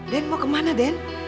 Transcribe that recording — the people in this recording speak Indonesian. den mau kemana den